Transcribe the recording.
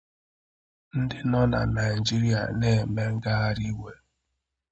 ndị nọ na Nigeria na-eme ngagharị iwe